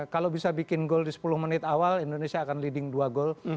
kalau bisa bikin gol di sepuluh menit awal indonesia akan leading dua gol